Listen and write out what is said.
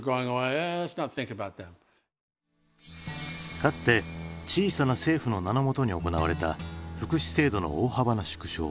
かつて小さな政府の名のもとに行われた福祉制度の大幅な縮小。